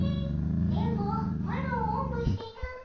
電ボマロをおんぶしてたも。